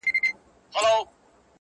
• ها د ښكلا شاپېرۍ هغه د سكون سهزادگۍ ـ